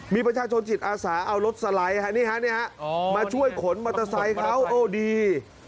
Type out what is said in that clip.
มีประชาชนจิตอาสาเอารถสไลด์นี่ฮะมาช่วยขนมอเตอร์ไซค์เขาโอ้ดี